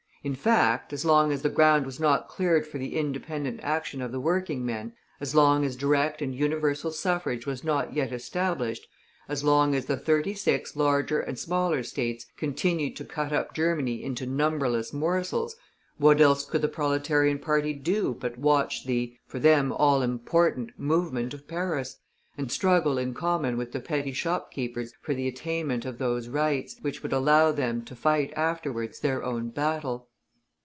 In fact, as long as the ground was not cleared for the independent action of the working men, as long as direct and universal suffrage was not yet established, as long as the thirty six larger and smaller states continued to cut up Germany into numberless morsels, what else could the Proletarian party do but watch the for them all important movement of Paris, and struggle in common with the petty shopkeepers for the attainment of those rights, which would allow them to fight afterwards their own battle?